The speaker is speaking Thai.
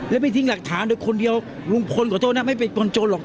แล้วไปทิ้งหลักฐานโดยคนเดียวลุงพลขอโทษนะไม่เป็นคนโจรหรอก